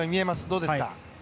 どうですか。